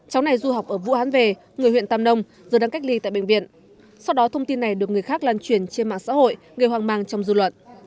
cháu này du học ở vũ hán về người huyện tam nông rồi đang cách ly tại bệnh viện sau đó thông tin này được người khác lan truyền trên mạng xã hội gây hoang mang trong dư luận